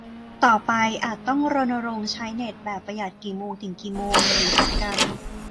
ต่อไปอาจต้องรณรงค์ใช้เน็ตแบบประหยัดกี่โมงถึงกี่โมง หรือผลัดกัน